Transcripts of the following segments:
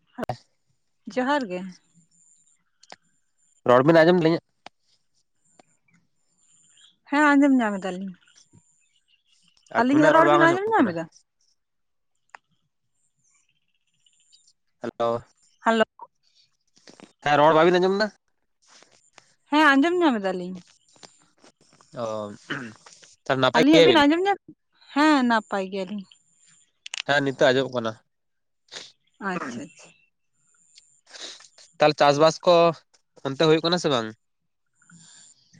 [inaudible] ᱡᱚᱦᱟᱨ ᱜᱮ ᱨᱚᱲ ᱵᱮᱱ ᱟᱸᱡᱚᱢ ᱮᱫᱟᱞᱤᱧ ᱦᱮᱸ ᱟᱸᱡᱚᱢ ᱧᱟᱢ ᱮᱫᱟᱞᱤᱧ ᱟᱞᱤᱧ ᱧᱟᱜ ᱟᱵᱤᱱᱟᱜ ᱨᱚᱲ ᱵᱟᱝ ᱵᱤᱱ ᱟᱸᱡᱚᱢ ᱟᱸᱡᱚᱢᱚᱜ ᱧᱟᱢ ᱠᱟᱱᱟ ᱮᱫᱟ ᱦᱮᱞᱳ ᱦᱮᱞᱳ ᱦᱮᱸ ᱨᱚᱲ ᱵᱟᱵᱮᱱ ᱟᱸᱡᱚᱢ ᱫᱟ ᱦᱮᱸ ᱟᱸᱡᱚᱢ ᱧᱟᱢ ᱮᱫᱟᱞᱤᱧ ᱚ ᱛᱟᱦᱞᱮ ᱱᱟᱯᱟᱭ ᱟᱹᱞᱤᱧ ᱧᱟᱜ ᱵᱤᱱ ᱜᱮᱭᱟᱵᱤᱱ? ᱟᱸᱡᱚᱢ ᱧᱟᱢ ᱦᱮᱸ ᱱᱟᱯᱟᱭ ᱜᱮᱭᱟᱞᱤᱧ ᱦᱮᱸ ᱱᱤᱛᱚᱜ ᱟᱸᱡᱚᱢᱚᱜ ᱠᱟᱱᱟ ᱟᱪᱪᱷᱟ ᱟᱪᱪᱷᱟ ᱛᱟᱦᱞᱮ ᱪᱟᱥᱵᱟᱥ ᱠᱚ ᱚᱱᱛᱮ ᱦᱩᱭᱩᱜ ᱠᱟᱱᱟ ᱥᱮ ᱵᱟᱝ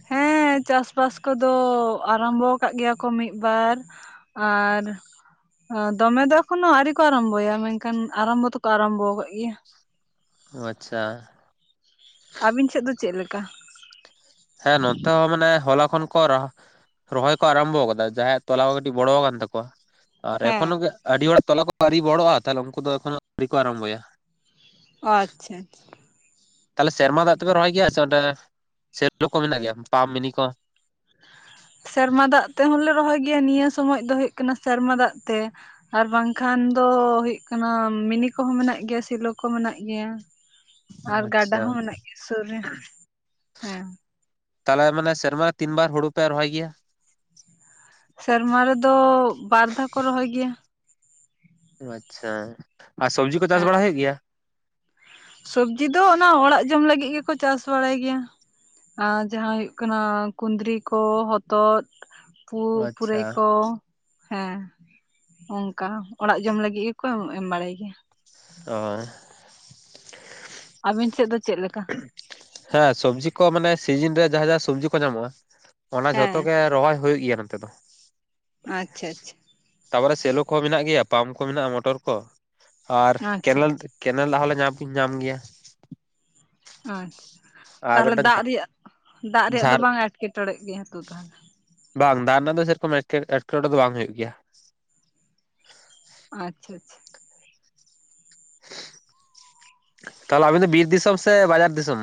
ᱦᱮᱸ ᱪᱟᱥᱵᱟᱥ ᱠᱚᱫᱚ ᱟᱨᱚᱢᱵᱚ ᱟᱠᱟᱫ ᱜᱮᱭᱟ ᱠᱚ ᱢᱤᱫᱵᱟᱨ ᱟᱨ ᱫᱚᱢᱮ ᱫᱚ ᱮᱠᱷᱚᱱᱳ ᱟᱹᱣᱨᱤ ᱠᱚ ᱟᱨᱚᱢᱵᱚᱭᱟ ᱢᱮᱱᱠᱷᱟᱱ ᱟᱨᱚᱢᱵᱚ ᱫᱚᱠᱚ ᱟᱨᱚᱢᱵᱚ ᱟᱠᱟᱫ ᱜᱮᱭᱟ ᱚ ᱟᱪᱪᱷᱟ ᱟᱹᱵᱤᱱ ᱥᱮᱱ ᱫᱚ ᱪᱮᱫ ᱞᱮᱠᱟ ᱦᱮᱸ ᱱᱚᱛᱮ ᱦᱚᱸ ᱢᱟᱱᱮ ᱦᱚᱞᱟ ᱠᱷᱚᱱ ᱠᱚ ᱨᱟᱦᱟᱼᱼ ᱨᱚᱦᱚᱭ ᱠᱚ ᱟᱨᱚᱢᱵᱚ ᱟᱠᱟᱫᱟ ᱡᱟᱦᱟᱸᱭᱟᱜ ᱛᱚᱞᱟ ᱠᱚ ᱠᱟᱹᱴᱤᱡ ᱵᱚᱲᱚᱣᱟᱠᱟᱱ ᱛᱟᱠᱚᱣᱟ ᱟᱨ ᱦᱮᱸ ᱮᱠᱷᱚᱱᱚ ᱜᱮ ᱟᱹᱰᱤ ᱦᱚᱲᱟᱜ ᱛᱚᱞᱟ ᱠᱚ ᱟᱹᱣᱨᱤ ᱵᱚᱲᱚᱜᱼᱟ ᱛᱟᱦᱞᱮ ᱩᱱᱠᱩ ᱫᱚ ᱮᱠᱷᱚᱱᱚ ᱟᱹᱨᱤ ᱠᱚ ᱟᱨᱚᱢᱵᱚᱭᱟ ᱚ ᱟᱪᱪᱷᱟ ᱟᱪᱪᱷᱟ ᱛᱟᱦᱚᱞᱮ ᱥᱮᱨᱢᱟ ᱫᱟᱜ ᱛᱮᱯᱮ ᱨᱚᱦᱚᱭ ᱜᱮᱭᱟ ᱥᱮ ᱚᱸᱰᱮ ᱥᱮᱰᱰᱳ ᱠᱚ ᱢᱮᱱᱟᱜ ᱜᱮᱭᱟ ᱯᱟᱢᱯ ᱢᱤᱱᱤ ᱠᱚ ᱥᱮᱨᱢᱟ ᱫᱟᱜ ᱛᱮᱦᱚᱸᱞᱮ ᱨᱚᱦᱚᱭ ᱜᱮᱭᱟ ᱱᱤᱭᱟᱹ ᱥᱚᱢᱚᱭ ᱫᱚ ᱦᱩᱭᱩᱜ ᱠᱟᱱᱟ ᱥᱮᱨᱢᱟ ᱫᱟᱜ ᱛᱮ ᱟᱨ ᱵᱟᱝᱠᱷᱟᱱ ᱫᱚ ᱦᱩᱭᱩᱜ ᱠᱟᱱᱟ ᱢᱤᱱᱤᱠ ᱠᱚᱦᱚᱸ ᱢᱮᱱᱟᱜ ᱜᱮᱭᱟ ᱥᱮᱞᱳ ᱠᱚᱦᱚᱸ ᱢᱮᱱᱟᱜ ᱜᱮᱭᱟ᱾ ᱟᱨ ᱜᱟᱰᱟ ᱟᱪᱪᱷᱟ ᱦᱚᱸ ᱢᱮᱱᱟᱜ ᱜᱮᱭᱟ ᱥᱩᱨ ᱨᱮ ᱦᱮᱸ ᱛᱟᱦᱚᱞᱮ ᱢᱟᱱᱮ ᱥᱮᱨᱢᱟ ᱛᱤᱱᱵᱟᱨ ᱦᱩᱲᱩ ᱯᱮ ᱨᱚᱦᱚᱭ ᱜᱮᱭᱟ ᱥᱮᱨᱢᱟ ᱨᱮᱫᱚ ᱵᱟᱨ ᱫᱷᱟᱣ ᱠᱚ ᱨᱚᱦᱚᱭ ᱜᱮᱭᱟ᱾ ᱟᱪᱪᱷᱟ ᱟᱨ ᱥᱚᱵᱽᱡᱤ ᱠᱚ ᱪᱟᱥ ᱵᱟᱲᱟ ᱦᱩᱭᱩᱜ ᱜᱮᱭᱟ᱾ ᱥᱚᱵᱽᱡᱤ ᱫᱚ ᱚᱱᱟ ᱚᱲᱟᱜ ᱡᱚᱢ ᱞᱟᱹᱜᱤᱫ ᱜᱮᱠᱚ ᱪᱟᱥ ᱵᱟᱲᱟᱭ ᱜᱮᱭᱟ᱾ ᱟᱨ ᱡᱟᱦᱟᱸ ᱦᱩᱭᱩᱜ ᱠᱟᱱᱟ ᱠᱩᱫᱽᱨᱤ ᱠᱚ ᱦᱚᱛᱚᱫ ᱯᱩ ᱯᱩᱨᱟᱹᱭ ᱟᱪᱪᱷᱟ ᱠᱚ ᱦᱮᱸ ᱚᱱᱠᱟ ᱚᱲᱟᱜ ᱡᱚᱢ ᱞᱟᱹᱜᱤᱫ ᱜᱮᱠᱚ ᱮᱢ ᱵᱟᱲᱟᱭ ᱜᱮᱭᱟ᱾ [unintelligible] ᱟᱹᱵᱮᱱ ᱥᱮᱫ ᱫᱚ ᱪᱮᱫ ᱞᱮᱠᱟ? ᱦᱮᱸ ᱥᱚᱵᱽᱡᱤ ᱠᱚ ᱢᱟᱱᱮ ᱥᱤᱡᱤᱱ ᱨᱮ ᱡᱟᱦᱟ ᱡᱟᱦᱟ ᱥᱚᱵᱽᱡᱤ ᱠᱚ ᱧᱟᱢᱚᱜᱼᱟ ᱚᱱᱟ ᱦᱮᱸ ᱡᱷᱚᱛᱚ ᱜᱮ ᱨᱚᱦᱚᱭ ᱦᱩᱭᱩᱜ ᱜᱮᱭᱟ ᱱᱚᱛᱮ ᱫᱚ ᱟᱪᱪᱷᱟ ᱟᱪᱪᱷᱟ ᱛᱟᱯᱚᱨᱮ ᱥᱮᱞᱚ ᱠᱚᱦᱚᱸ ᱢᱮᱱᱟᱜ ᱜᱮᱭᱟ ᱯᱟᱢᱯ ᱠᱚ ᱢᱮᱱᱟᱜᱼᱟ ᱢᱚᱴᱚᱨ ᱠᱚ ᱟᱨ ᱟᱪᱪᱷᱟ ᱟᱪᱪᱷᱟ ᱠᱮᱱᱮᱞ ᱠᱮᱱᱮᱞ ᱫᱟᱜ ᱦᱚᱸᱞᱮ ᱧᱟᱢ ᱠᱩᱧ ᱧᱟᱢ ᱜᱮᱭᱟ ᱟᱪᱪᱷᱟ ᱟᱨ ᱛᱟᱦᱚᱞᱮ ᱢᱤᱫᱴᱟᱝ ᱫᱟᱜ ᱨᱮᱭᱟᱜ ᱫᱟᱜ ᱨᱮᱭᱟᱜ ᱫᱚ ᱡᱷᱟᱨ ᱵᱟᱝ ᱮᱴᱠᱮᱴᱚᱲᱮ ᱜᱮᱭᱟ ᱛᱚ ᱛᱟᱦᱚᱞᱮ ᱵᱟᱝ ᱫᱟᱜ ᱨᱮᱱᱟᱜ ᱫᱚ ᱥᱮᱨᱚᱠᱚᱢ ᱮᱴᱠᱮ ᱮᱴᱠᱮᱴᱚᱬᱮ ᱫᱚ ᱵᱟᱝ ᱦᱩᱭᱩᱜ ᱜᱮᱭᱟ᱾ ᱟᱪᱪᱷᱟ ᱟᱪᱪᱷᱟ ᱛᱟᱦᱚᱞᱮ ᱟᱵᱤᱱ ᱫᱚ ᱵᱤᱨ ᱫᱤᱥᱚᱢ ᱥᱮ ᱵᱟᱡᱟᱨ ᱫᱤᱥᱚᱢ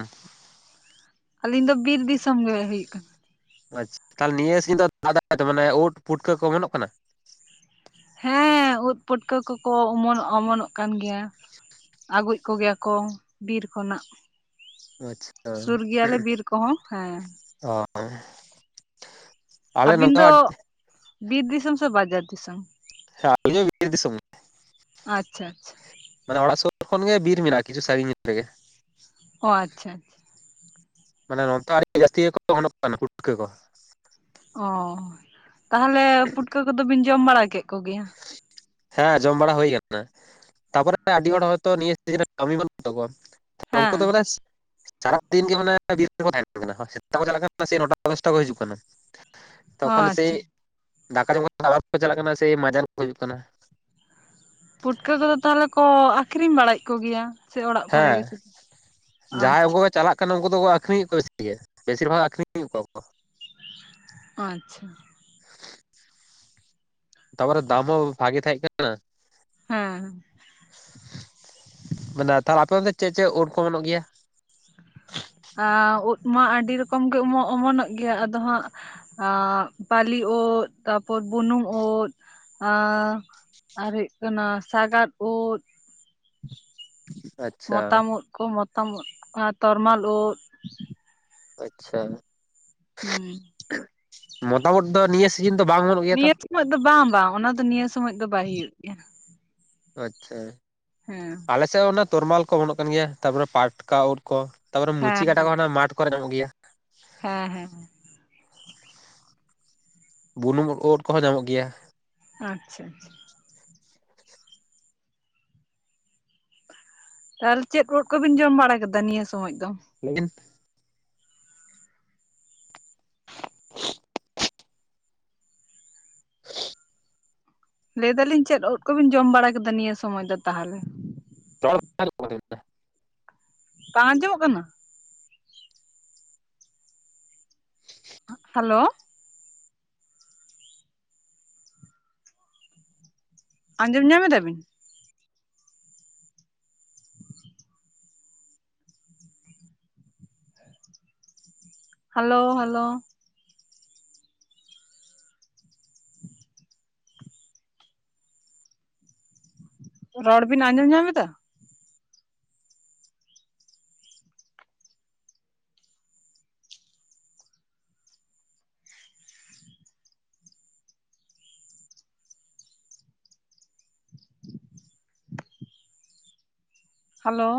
ᱟᱹᱞᱤᱧ ᱫᱚ ᱵᱤᱨ ᱫᱤᱥᱚᱢ ᱜᱮ ᱦᱩᱭᱩᱜ ᱠᱟᱱᱟ᱾ ᱟᱪᱪᱷᱟ ᱛᱟᱦᱚᱞᱮ ᱱᱤᱭᱟᱹ ᱥᱤᱧ ᱫᱚ ᱫᱟᱜᱟᱭ ᱢᱟᱱᱮ ᱩᱫ ᱯᱷᱩᱴᱠᱟᱹ ᱠᱚ ᱚᱢᱚᱱᱚᱜ ᱠᱟᱱᱟ᱾ ᱦᱮᱸ ᱩᱫ᱿ ᱯᱟᱹᱴᱠᱟᱹ ᱠᱚᱠᱚ ᱚᱢᱚᱱᱚᱜ ᱚᱢᱚᱱᱚᱜ ᱠᱟᱱ ᱜᱮᱭᱟ ᱟᱹᱜᱩᱭᱮᱜ ᱠᱚᱜᱮᱭᱟ ᱠᱚ ᱵᱤᱨ ᱠᱷᱚᱱᱟᱜ᱾ ᱟᱪᱪᱷᱟ ᱥᱩᱨ ᱜᱮᱭᱟᱞᱮ ᱵᱤᱨ ᱠᱚᱦᱚᱸ ᱦᱮᱸ ᱟᱨ ᱟᱹᱵᱤᱱ ᱫᱚ ᱵᱤᱨ ᱫᱤᱥᱚᱢ ᱥᱮ ᱵᱟᱡᱟᱨ ᱫᱤᱥᱚᱢ ᱦᱮᱸ ᱟᱞᱤᱧ ᱦᱚᱸ ᱵᱤᱨ ᱫᱤᱥᱚᱢ ᱜᱮ ᱟᱪᱪᱷᱟ ᱟᱪᱪᱷᱟ ᱢᱟᱱᱮ ᱚᱲᱟᱜ ᱥᱩᱨ ᱠᱷᱚᱱ ᱜᱮ ᱵᱤᱨ ᱢᱮᱱᱟᱜᱼᱟ ᱠᱤᱪᱷᱩ ᱥᱟᱹᱜᱤᱧ ᱨᱮᱜᱮ ᱚ ᱟᱪᱪᱷᱟ ᱟᱪᱪᱷᱟ ᱢᱟᱱᱮ ᱱᱚᱛᱮ ᱟᱹᱰᱤ ᱡᱟᱹᱥᱛᱤ ᱜᱮᱠᱚ ᱚᱢᱱᱚᱜ ᱠᱟᱱᱟ ᱯᱩᱴᱠᱟᱹ ᱠᱚ ᱚ ᱛᱟᱦᱚᱞᱮ ᱯᱩᱴᱠᱟᱹ ᱠᱚᱫᱚ ᱵᱤᱱ ᱡᱚᱢ ᱵᱟᱲᱟ ᱠᱮᱫ ᱠᱚᱜᱮᱭᱟ? ᱦᱮᱸ ᱡᱚᱢ ᱵᱟᱲᱟ ᱦᱩᱭ ᱠᱟᱱᱟ। ᱛᱟᱨᱯᱚᱨᱮ ᱟᱹᱰᱤ ᱦᱚᱲ ᱦᱚᱭᱛᱚ ᱱᱤᱭᱟᱹ ᱥᱤᱡᱤᱱ ᱨᱮ ᱠᱟᱹᱢᱤ ᱵᱟᱹᱱᱩᱜ ᱛᱟᱠᱚᱣᱟ ᱩᱱᱠᱩ ᱦᱮᱸ ᱫᱚ ᱢᱟᱱᱮ ᱥᱟᱨᱟ ᱫᱤᱱ ᱜᱮ ᱢᱟᱱᱮ ᱵᱤᱨ ᱨᱮᱠᱚ ᱛᱟᱦᱮᱱ ᱠᱟᱱᱟ ᱥᱮᱛᱟᱜ ᱠᱚ ᱪᱟᱞᱟᱜ ᱠᱟᱱᱟ ᱥᱮ ᱱᱚᱴᱟ ᱫᱚᱥᱴᱟ ᱠᱚ ᱦᱤᱡᱩᱜ ᱠᱟᱱᱟ᱾ ᱚ ᱛᱚᱠᱷᱚᱱ ᱥᱮᱭ ᱟᱪᱪᱷᱟ ᱫᱟᱠᱟ ᱡᱚᱢ ᱠᱟᱛᱮ ᱟᱵᱟᱨ ᱠᱚ ᱪᱟᱞᱟᱜ ᱠᱟᱱᱟ ᱥᱮᱭ ᱢᱟᱡᱟᱱ ᱠᱚ ᱦᱤᱡᱩᱜ ᱠᱟᱱᱟ᱾ ᱯᱩᱴᱠᱟᱹ ᱠᱚᱫᱚ ᱛᱟᱦᱚᱞᱮ ᱠᱚ ᱟᱠᱷᱨᱤᱧ ᱵᱟᱲᱟᱭᱮᱫ ᱠᱚᱜᱮᱭᱟ? ᱥᱮ ᱚᱲᱟᱜ ᱠᱚᱨᱮ ᱜᱮ ᱦᱮᱸ ᱥᱮ ᱟᱪᱪᱷᱟ ᱟᱠᱷᱟᱱ ᱩᱱᱠᱩ ᱫᱚᱠᱚ ᱟᱠᱷᱨᱤᱧᱮᱫ ᱠᱚᱣᱟ ᱵᱮᱥᱤ ᱜᱮ ᱵᱮᱥᱤᱨ ᱵᱷᱟᱜᱽ ᱟᱠᱷᱨᱤᱧᱮᱫ ᱠᱚᱣᱟ ᱠᱚ ᱟᱪᱪᱷᱟ ᱛᱟᱯᱚᱨᱮ ᱫᱟᱢ ᱦᱚᱸ ᱵᱷᱟᱜᱮ ᱛᱟᱦᱮᱜ ᱠᱟᱱᱟ᱾ ᱦᱮᱸ ᱦᱮᱸ ᱢᱟᱱᱮ ᱛᱟᱦᱚᱞᱮ ᱟᱯᱮ ᱚᱱᱛᱮ ᱪᱮᱫ ᱪᱮᱫ ᱩᱫᱽ ᱠᱚ ᱚᱢᱚᱱᱚᱜ ᱜᱮᱭᱟ? ᱟᱸ ᱤᱫᱽ ᱢᱟ ᱟᱹᱰᱤ ᱨᱚᱠᱚᱢ ᱜᱮ ᱚᱢᱚᱱ ᱚᱢᱚᱱᱚᱜ ᱜᱮᱭᱟ ᱟᱫᱚ ᱦᱟᱸᱜ ᱟᱸ ᱵᱟᱞᱤ ᱩᱫᱽ ᱛᱟᱯᱚᱨ ᱵᱩᱱᱩᱢ ᱩᱫᱽ ᱟᱨ ᱟᱨ ᱦᱩᱭᱩᱜ ᱠᱟᱱᱟ ᱥᱟᱜᱟᱫ ᱩᱫᱽ ᱟᱪᱪᱷᱟ ᱢᱚᱛᱟᱢ ᱩᱫᱽ ᱠᱚ ᱢᱚᱛᱟᱢ ᱤᱫᱽ ᱛᱚᱨᱢᱟᱞ ᱩᱫᱽ ᱟᱪᱪᱷᱟ ᱦᱩᱸ ᱢᱚᱛᱟᱢ ᱳᱫ ᱫᱚ ᱱᱤᱭᱟᱹ ᱥᱤᱡᱤᱱ ᱫᱚ ᱵᱟᱝ ᱚᱢᱚᱱᱚᱜ ᱜᱮᱭᱟ ᱛᱚ? ᱩᱱᱟᱹᱜ ᱫᱚ ᱵᱟᱝ ᱵᱟᱝ ᱚᱱᱟ ᱫᱚ ᱱᱤᱭᱟᱹ ᱥᱚᱢᱚᱭ ᱫᱚ ᱵᱟᱭ ᱦᱩᱭᱩᱜ ᱜᱮᱭᱟ। ᱟᱪᱪᱷᱟ ᱦᱮᱸ ᱟᱞᱮ ᱥᱮᱫ ᱦᱚᱸ ᱚᱱᱟ ᱛᱚᱨᱢᱟᱞ ᱠᱚ ᱚᱢᱚᱱᱚᱜ ᱠᱟᱱ ᱜᱮᱭᱟ, ᱛᱟᱯᱚᱨᱮ ᱯᱟᱴᱠᱟ ᱳᱫ ᱠᱚ, ᱛᱟᱯᱚᱨᱮ ᱢᱩᱪᱤ ᱦᱮᱸ ᱠᱟᱴᱟ ᱠᱚ ᱢᱟᱴ ᱠᱚᱨᱮ ᱧᱟᱢᱚᱜ ᱜᱮᱭᱟ ᱾ ᱦᱮᱸ ᱦᱮᱸ ᱦᱮᱸ ᱵᱩᱱᱩᱢ ᱳᱫ ᱠᱚᱦᱚᱸ ᱧᱟᱢᱚᱜ ᱜᱮᱭᱟ। ᱟᱪᱪᱷᱟ ᱟᱪᱪᱷᱟ ᱛᱟᱦᱚᱞᱮ ᱪᱮᱫ ᱠᱚ ᱳᱫ ᱠᱚᱵᱤᱱ ᱡᱚᱢ ᱵᱟᱲᱟ ᱠᱮᱫᱟ ᱱᱤᱭᱟᱹ ᱥᱚᱢᱚᱭ ᱫᱚ? ᱞᱮᱭ ᱵᱤᱱ [unintelligible] ᱞᱟᱹᱭ ᱫᱟᱞᱤᱧ ᱪᱮᱫ ᱳᱫ ᱠᱚᱵᱤᱱ ᱡᱚᱢ ᱵᱟᱲᱟ ᱠᱮᱫᱟ ᱱᱤᱭᱟᱹ ᱥᱚᱢᱚᱭ ᱫᱚ ᱛᱟᱦᱚᱞᱮ? [inaudible] ᱵᱟᱝ ᱟᱸᱡᱚᱢᱚᱜ ᱠᱟᱱᱟ? ᱦᱮᱞᱳ ᱟᱸᱡᱚᱢ ᱧᱟᱢ ᱫᱟᱵᱤᱱ? ᱦᱮᱞᱳ ᱦᱮᱞᱳ ᱨᱚᱲ ᱵᱤᱱ ᱟᱸᱡᱚᱢ ᱧᱟᱢ ᱮᱫᱟ‌? ᱦᱮᱞᱳ